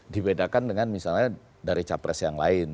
dibedakan dengan misalnya dari capres yang lain